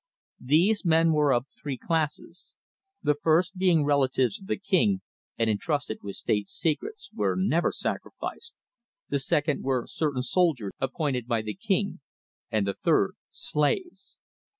These men were of three classes; the first being relatives of the King and entrusted with State secrets, were never sacrificed, the second were certain soldiers appointed by the king, and the third slaves.